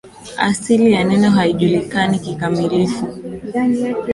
Asili ya neno haijulikani kikamilifu.